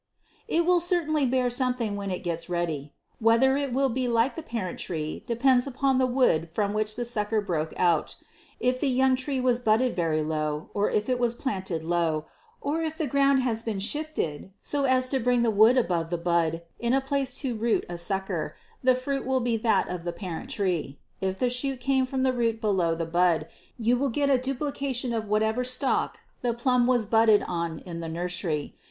It will certainly bear something when it gets ready. Whether it will be like the parent tree depends upon the wood from which the sucker broke out. If the young tree was budded very low, or if it was planted low, or if the ground has been shifted so as to bring the wood above the bud in a place to root a sucker, the fruit will be that of the parent tree. If the shoot came from the root below the bud, you will get a duplication of whatever stock the plum was budded on in the nursery.